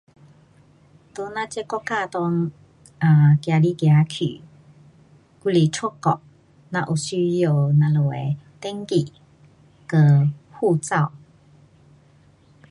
在咱这国家内 um 走来走去，还是出国，咱有需要我们的登记跟护照。